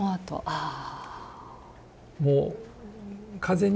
ああ。